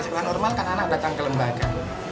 sekolah normal kan anak datang ke lembaga